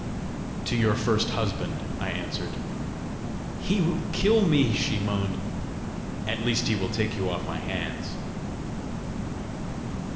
"To your first husband," I answered. "He will kill me!" she moaned. "At least he will take you off my hands!"